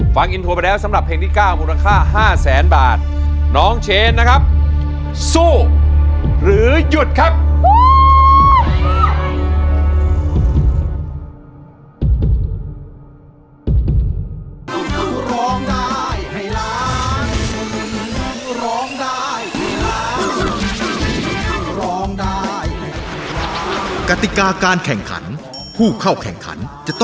ฟังอินทรวปไปแล้วสำหรับเพลงที่เก้ามูลค่าห้าแสนบาท